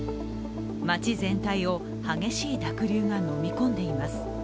町全体を激しい濁流がのみ込んでいます。